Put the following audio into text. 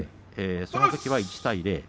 そのときは１対０。